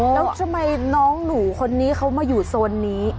แล้วทำไมน้องหนูคนนี้เขามาอยู่โซนนี้